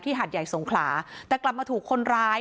หาดใหญ่สงขลาแต่กลับมาถูกคนร้าย